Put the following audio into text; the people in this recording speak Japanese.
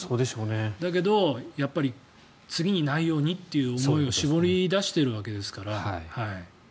だけど、やっぱり次にないようにという思いを絞り出しているわけですから。